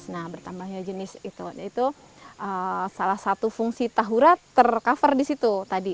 nah bertambahnya jenis itu salah satu fungsi tahu rawan ter cover di situ tadi